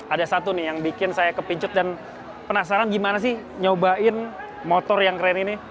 ada satu nih yang bikin saya kepincut dan penasaran gimana sih nyobain motor yang keren ini